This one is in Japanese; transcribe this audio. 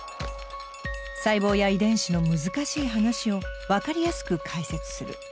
細胞や遺伝子の難しい話を分かりやすく解説する。